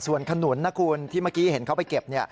ส่วนขนุนนะคุณที่เมื่อกี้เห็นเขาไปเก็บ